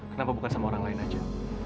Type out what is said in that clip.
kenapa bukan sama orang lain aja